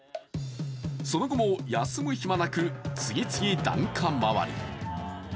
その後も休む暇なく次々、檀家回り。